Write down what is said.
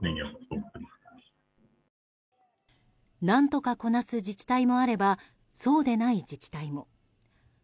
何とかこなす自治体もあればそうでない自治体も。